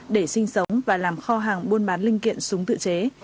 để sinh sống và làm kho hàng buôn bán linh kiện súng tự chế